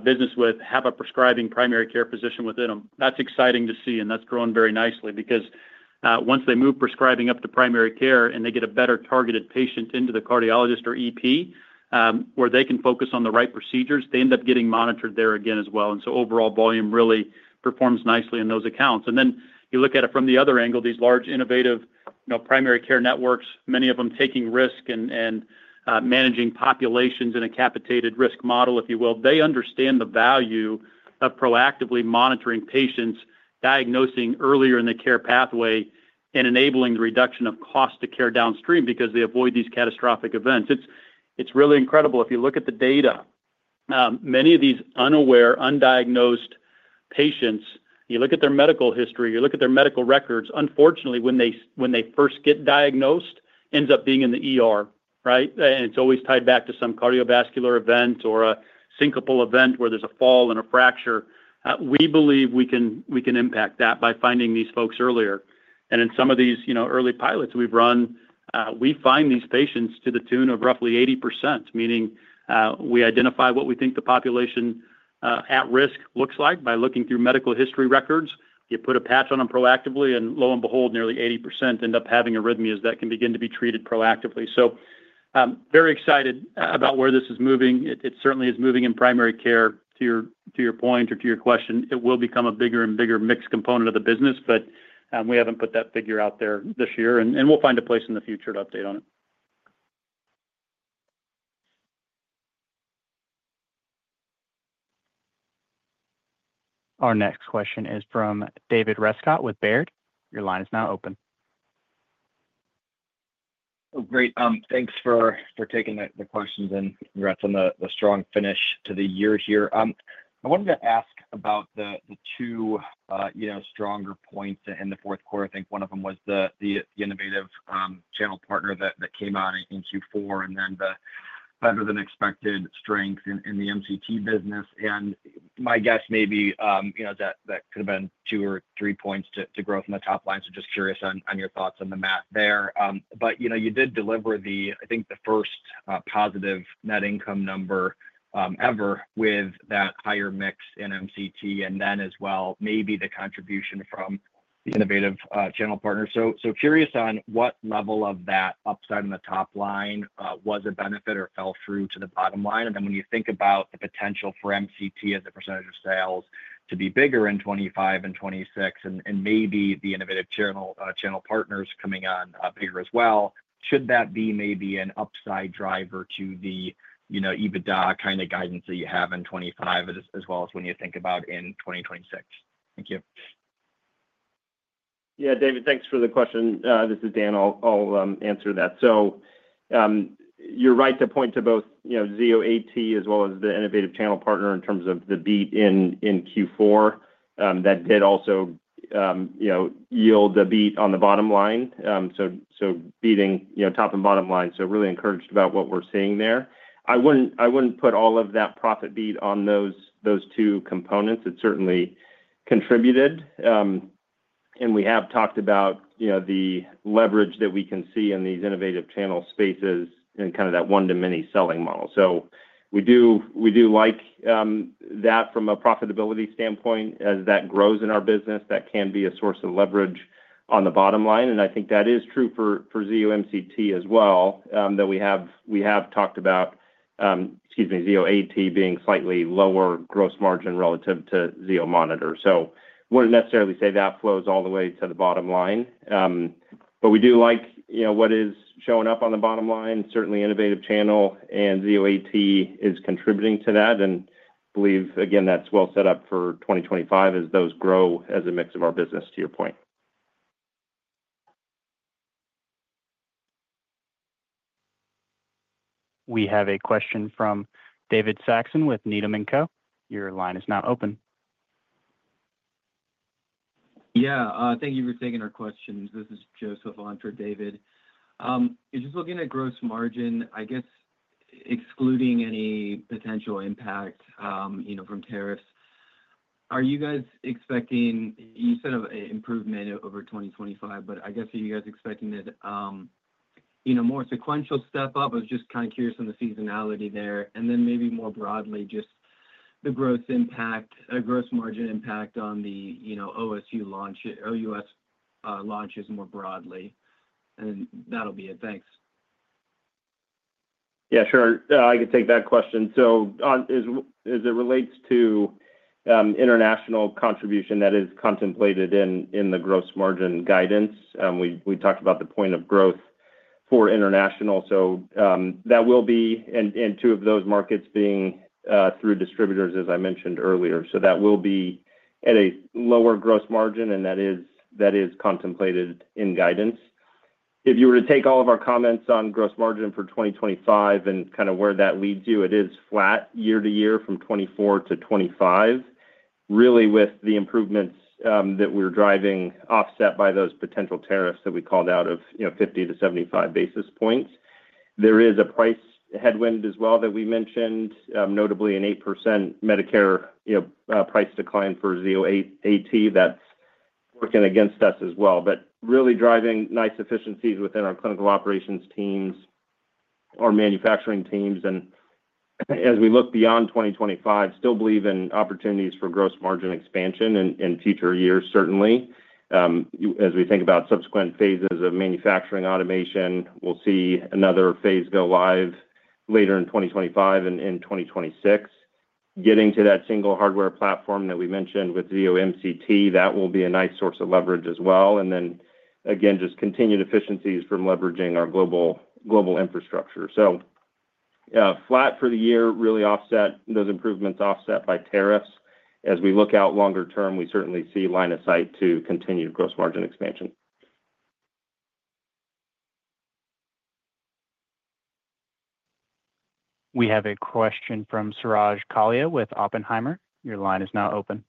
[SPEAKER 3] business with have a prescribing primary care physician within them. That's exciting to see, and that's grown very nicely because once they move prescribing up to primary care and they get a better targeted patient into the cardiologist or EP where they can focus on the right procedures, they end up getting monitored there again as well. And so overall volume really performs nicely in those accounts. And then you look at it from the other angle, these large innovative primary care networks, many of them taking risk and managing populations in a capitated risk model, if you will. They understand the value of proactively monitoring patients, diagnosing earlier in the care pathway, and enabling the reduction of cost to care downstream because they avoid these catastrophic events. It's really incredible. If you look at the data, many of these unaware, undiagnosed patients, you look at their medical history, you look at their medical records, unfortunately, when they first get diagnosed, ends up being in the ER, right? And it's always tied back to some cardiovascular event or a syncopal event where there's a fall and a fracture. We believe we can impact that by finding these folks earlier. And in some of these early pilots we've run, we find these patients to the tune of roughly 80%, meaning we identify what we think the population at risk looks like by looking through medical history records. You put a patch on them proactively, and lo and behold, nearly 80% end up having arrhythmias that can begin to be treated proactively. So, very excited about where this is moving. It certainly is moving in primary care. To your point or to your question, it will become a bigger and bigger mix component of the business, but we haven't put that figure out there this year, and we'll find a place in the future to update on it.
[SPEAKER 1] Our next question is from David Rescott with Baird. Your line is now open.
[SPEAKER 13] Oh, great. Thanks for taking the questions and congrats on the strong finish to the year here. I wanted to ask about the two stronger points in the fourth quarter. I think one of them was the innovative channel partner that came out in Q4 and then the better-than-expected strength in the MCT business, and my guess maybe that could have been two or three points to growth in the top line, so just curious on your thoughts on the math there, but you did deliver the, I think, the first positive net income number ever with that higher mix in MCT and then as well maybe the contribution from the innovative channel partner, so curious on what level of that upside in the top line was a benefit or fell through to the bottom line. And then when you think about the potential for MCT as a percentage of sales to be bigger in 2025 and 2026 and maybe the innovative channel partners coming on bigger as well, should that be maybe an upside driver to the EBITDA kind of guidance that you have in 2025 as well as when you think about in 2026? Thank you.
[SPEAKER 4] Yeah, David, thanks for the question. This is Dan. I'll answer that. So you're right to point to both Zio AT as well as the innovative channel partner in terms of the beat in Q4. That did also yield the beat on the bottom line. So beating top and bottom line. So really encouraged about what we're seeing there. I wouldn't put all of that profit beat on those two components. It certainly contributed. And we have talked about the leverage that we can see in these innovative channel spaces and kind of that one-to-many selling model. So we do like that from a profitability standpoint as that grows in our business. That can be a source of leverage on the bottom line. And I think that is true for Zio AT as well that we have talked about, excuse me, Zio AT being slightly lower gross margin relative to Zio Monitor. So wouldn't necessarily say that flows all the way to the bottom line. But we do like what is showing up on the bottom line. Certainly, innovative channel and Zio AT is contributing to that. And I believe, again, that's well set up for 2025 as those grow as a mix of our business to your point.
[SPEAKER 1] We have a question from David Saxon with Needham & Co. Your line is now open.
[SPEAKER 14] Yeah. Thank you for taking our questions. This is Joseph on for David. Just looking at gross margin, I guess excluding any potential impact from tariffs, are you guys expecting? You said some improvement over 2025, but I guess are you guys expecting more sequential step up? I was just kind of curious on the seasonality there. And then maybe more broadly, just the gross margin impact on the OUS launch or OUS launches more broadly. And that'll be it. Thanks.
[SPEAKER 4] Yeah, sure. I can take that question. So as it relates to international contribution that is contemplated in the gross margin guidance, we talked about the 30% growth for international. So that will be in two of those markets being through distributors, as I mentioned earlier. So that will be at a lower gross margin, and that is contemplated in guidance. If you were to take all of our comments on gross margin for 2025 and kind of where that leads you, it is flat year to year from 2024 to 2025, really with the improvements that we're driving offset by those potential tariffs that we called out of 50-75 basis points. There is a price headwind as well that we mentioned, notably an 8% Medicare price decline for Zio AT that's working against us as well, but really driving nice efficiencies within our clinical operations teams or manufacturing teams. And as we look beyond 2025, still believe in opportunities for gross margin expansion in future years, certainly. As we think about subsequent phases of manufacturing automation, we'll see another phase go live later in 2025 and in 2026. Getting to that single hardware platform that we mentioned with Zio AT, that will be a nice source of leverage as well. And then, again, just continued efficiencies from leveraging our global infrastructure. So flat for the year, really offset those improvements offset by tariffs. As we look out longer term, we certainly see line of sight to continued gross margin expansion.
[SPEAKER 1] We have a question from Suraj Kalia with Oppenheimer. Your line is now open.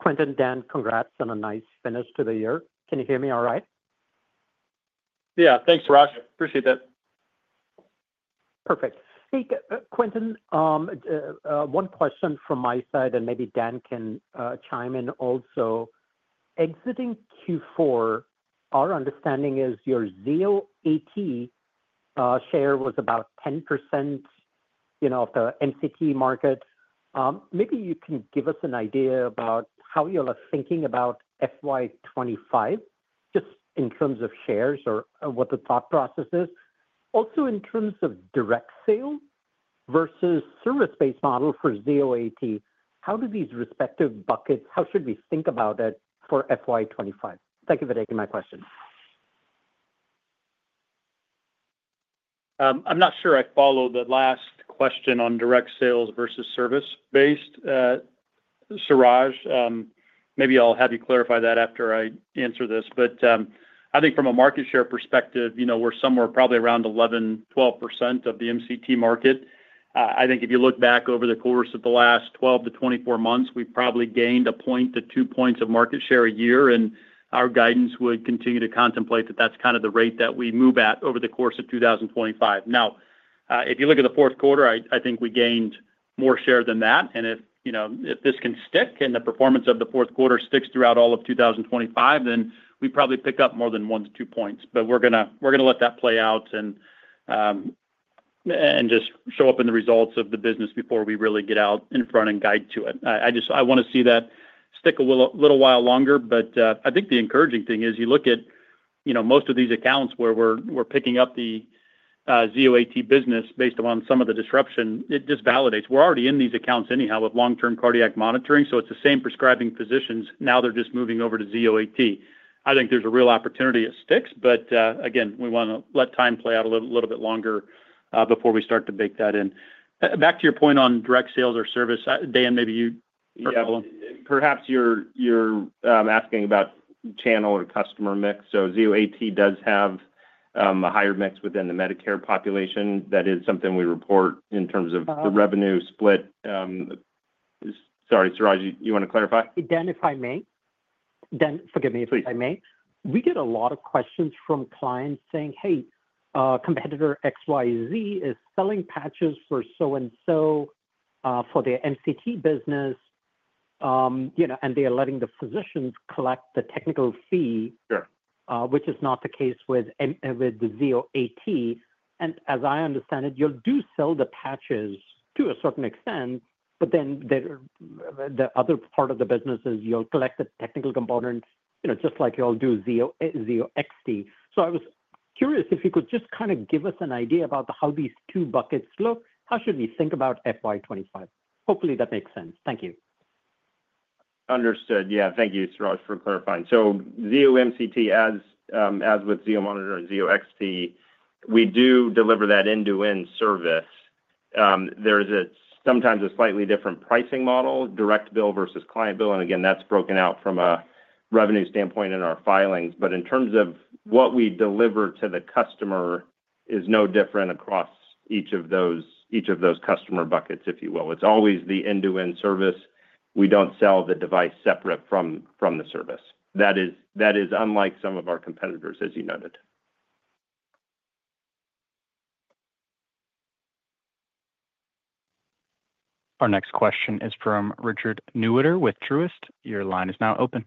[SPEAKER 15] Quentin, Dan, congrats on a nice finish to the year. Can you hear me all right?
[SPEAKER 4] Yeah. Thanks, Suraj. Appreciate that.
[SPEAKER 15] Perfect. Hey, Quentin, one question from my side, and maybe Dan can chime in also. Exiting Q4, our understanding is your Zio AT share was about 10% of the MCT market. Maybe you can give us an idea about how you're thinking about FY25, just in terms of shares or what the thought process is. Also, in terms of direct sale versus service-based model for Zio AT, how do these respective buckets, how should we think about it for FY25? Thank you for taking my question.
[SPEAKER 3] I'm not sure I followed the last question on direct sales versus service-based. Suraj, maybe I'll have you clarify that after I answer this. But I think from a market share perspective, we're somewhere probably around 11%-12% of the MCT market. I think if you look back over the course of the last 12-24 months, we've probably gained one point to two points of market share a year. And our guidance would continue to contemplate that that's kind of the rate that we move at over the course of 2025. Now, if you look at the fourth quarter, I think we gained more share than that. And if this can stick and the performance of the fourth quarter sticks throughout all of 2025, then we probably pick up more than one to two points. But we're going to let that play out and just show up in the results of the business before we really get out in front and guide to it. I want to see that stick a little while longer, but I think the encouraging thing is you look at most of these accounts where we're picking up the Zio AT business based on some of the disruption, it just validates. We're already in these accounts anyhow with long-term cardiac monitoring. So it's the same prescribing physicians. Now they're just moving over to Zio AT. I think there's a real opportunity it sticks. But again, we want to let time play out a little bit longer before we start to bake that in. Back to your point on direct sales or service, Dan, maybe you have one.
[SPEAKER 4] Perhaps you're asking about channel or customer mix. So Zio AT does have a higher mix within the Medicare population. That is something we report in terms of the revenue split. Sorry, Suraj, yu want to clarify?
[SPEAKER 15] If I may? Then forgive me. Please. If I may? We get a lot of questions from clients saying, "Hey, competitor XYZ is selling patches for so and so for their MCT business," and they are letting the physicians collect the technical fee, which is not the case with the Zio AT. And as I understand it, you'll do sell the patches to a certain extent, but then the other part of the business is you'll collect the technical components just like you'll do Zio XT. So I was curious if you could just kind of give us an idea about how these two buckets look. How should we think about FY25? Hopefully, that makes sense. Thank you.
[SPEAKER 4] Understood. Yeah. Thank you, Suraj, for clarifying. So Zio AT, as with Zio Monitor and Zio XT, we do deliver that end-to-end service. There is sometimes a slightly different pricing model, direct bill versus client bill. And again, that's broken out from a revenue standpoint in our filings. But in terms of what we deliver to the customer is no different across each of those customer buckets, if you will. It's always the end-to-end service. We don't sell the device separate from the service. That is unlike some of our competitors, as you noted.
[SPEAKER 1] Our next question is from Richard Newitter with Truist. Your line is now open.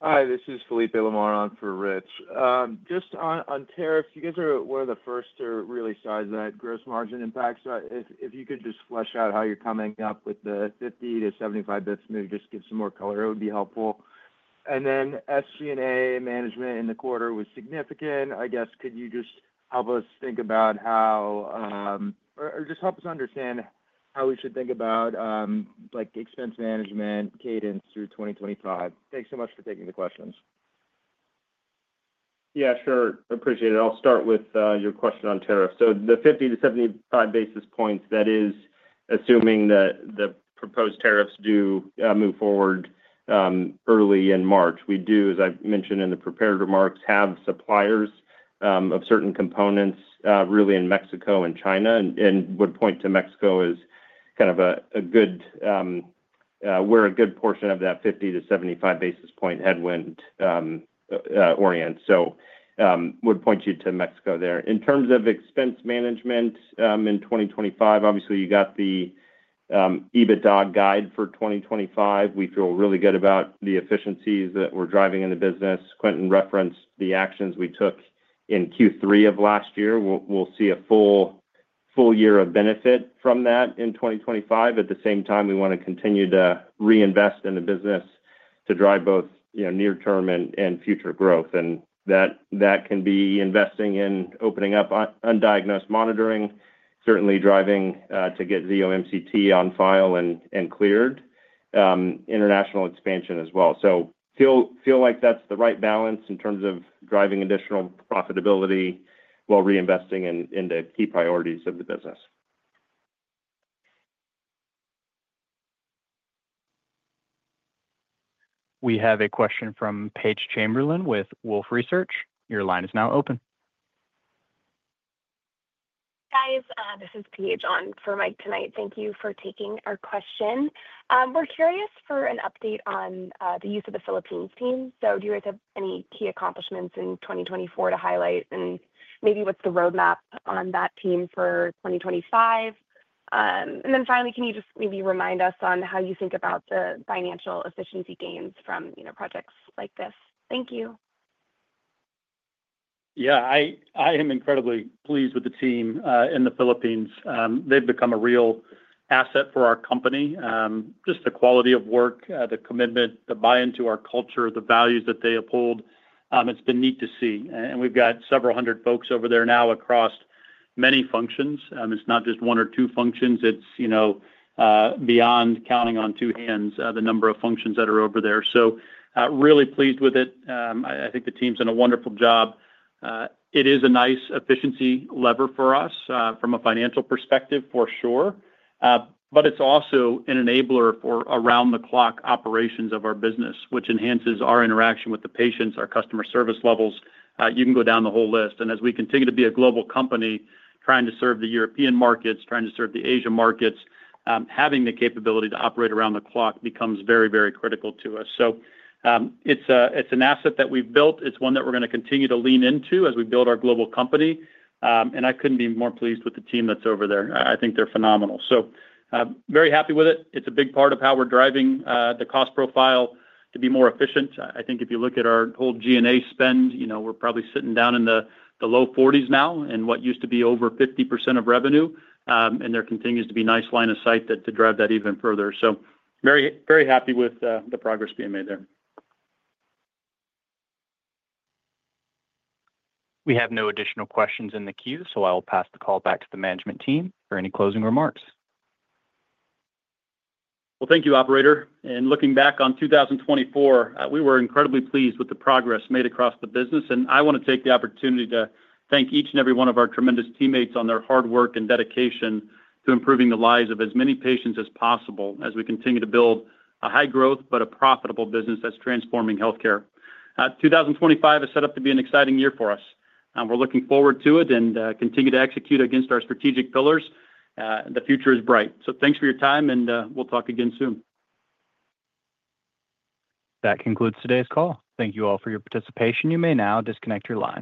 [SPEAKER 16] Hi, this is Felipe Lamar on for Rich. Just on tariffs, you guys are one of the first to really size that gross margin impact. So if you could just flesh out how you're coming up with the 50-75 basis points move, just give some more color. It would be helpful. And then SG&A management in the quarter was significant. I guess could you just help us think about how or just help us understand how we should think about expense management cadence through 2025? Thanks so much for taking the questions.
[SPEAKER 4] Yeah, sure. Appreciate it. I'll start with your question on tariffs. So the 50-75 basis points, that is assuming that the proposed tariffs do move forward early in March. We do, as I mentioned in the prepared remarks, have suppliers of certain components really in Mexico and China and would point to Mexico as kind of a good where a good portion of that 50-75 basis point headwind orients, so would point you to Mexico there. In terms of expense management in 2025, obviously you got the EBITDA guide for 2025. We feel really good about the efficiencies that we're driving in the business. Quentin referenced the actions we took in Q3 of last year. We'll see a full year of benefit from that in 2025. At the same time, we want to continue to reinvest in the business to drive both near-term and future growth, and that can be investing in opening up undiagnosed monitoring, certainly driving to get Zio MCT on file and cleared, international expansion as well. I feel like that's the right balance in terms of driving additional profitability while reinvesting into key priorities of the business.
[SPEAKER 1] We have a question from Paige Chamberlain with Wolfe Research. Your line is now open.
[SPEAKER 17] Hi, guys. This is Paige on for Mike tonight. Thank you for taking our question. We're curious for an update on the use of the Philippines team. So do you guys have any key accomplishments in 2024 to highlight? And maybe what's the roadmap on that team for 2025? And then finally, can you just maybe remind us on how you think about the financial efficiency gains from projects like this? Thank you.
[SPEAKER 3] Yeah. I am incredibly pleased with the team in the Philippines. They've become a real asset for our company. Just the quality of work, the commitment, the buy-in to our culture, the values that they have pulled, it's been neat to see. And we've got several hundred folks over there now across many functions. It's not just one or two functions. It's beyond counting on two hands, the number of functions that are over there. So really pleased with it. I think the team's done a wonderful job. It is a nice efficiency lever for us from a financial perspective, for sure. But it's also an enabler for around-the-clock operations of our business, which enhances our interaction with the patients, our customer service levels. You can go down the whole list. And as we continue to be a global company trying to serve the European markets, trying to serve the Asia markets, having the capability to operate around the clock becomes very, very critical to us. It's an asset that we've built. It's one that we're going to continue to lean into as we build our global company. And I couldn't be more pleased with the team that's over there. I think they're phenomenal. So very happy with it. It's a big part of how we're driving the cost profile to be more efficient. I think if you look at our whole G&A spend, we're probably sitting down in the low 40s now in what used to be over 50% of revenue. And there continues to be nice line of sight to drive that even further. So very happy with the progress being made there.
[SPEAKER 1] We have no additional questions in the queue, so I'll pass the call back to the management team for any closing remarks. Well, thank you, Operator. And looking back on 2024, we were incredibly pleased with the progress made across the business. And I want to take the opportunity to thank each and every one of our tremendous teammates on their hard work and dedication to improving the lives of as many patients as possible as we continue to build a high-growth but a profitable business that's transforming healthcare. 2025 is set up to be an exciting year for us. We're looking forward to it and continue to execute against our strategic pillars. The future is bright. So thanks for your time, and we'll talk again soon. That concludes today's call. Thank you all for your participation. You may now disconnect your line.